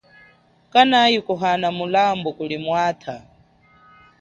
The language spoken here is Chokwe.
Kanayi kuhana mulambu kuli mwatha.